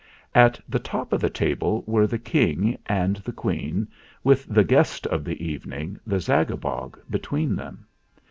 At the top of the table were the King and the Queen, with the Guest of the Evening, the Zagabog, between them.